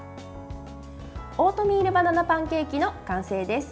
オートミールバナナパンケーキの完成です。